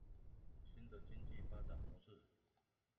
新的經濟發展模式